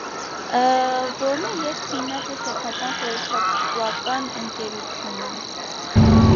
Որմէ ետք հիմնած է սեփական խորհրդատուական ընկերութիւնը։